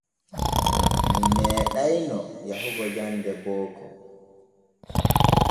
Mi meeɗayno yahugo jande booko.